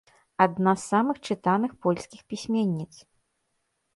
Адна з самых чытаных польскіх пісьменніц.